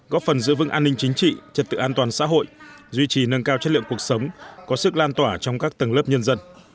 góp phần giữ vững an ninh chính trị trật tự an toàn xã hội duy trì nâng cao chất lượng cuộc sống có sức lan tỏa trong các tầng lớp nhân dân